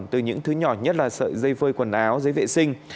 từ những thứ nhỏ nhất là sợi dây phơi quần áo giấy vệ sinh